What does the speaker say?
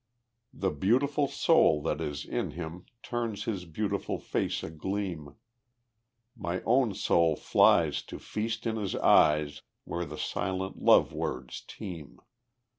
The beautiful soul that is in him turns His beautiful face agleam; My own soul flies to feast in his eyes, Where the silent love words teem.